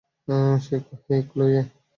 হেই, Chloe.